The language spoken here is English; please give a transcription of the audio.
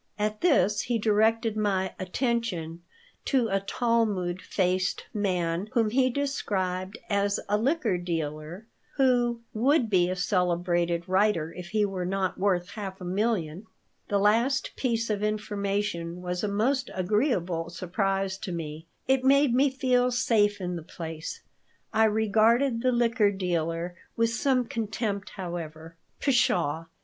At this he directed my attention to a "Talmud faced" man whom he described as a liquor dealer who "would be a celebrated writer if he were not worth half a million." The last piece of information was a most agreeable surprise to me. It made me feel safe in the place. I regarded the liquor dealer with some contempt, however. "Pshaw!